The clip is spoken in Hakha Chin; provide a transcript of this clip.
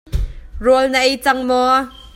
Rawl na ei cang maw?